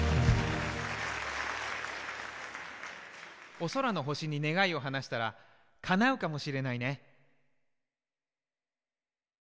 おそらのほしにねがいをはなしたらかなうかもしれないね。